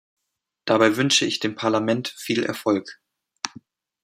Dabei wünsche ich dem Parlament viel Erfolg.